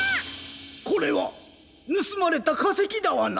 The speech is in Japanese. これはぬすまれたかせきダワナ！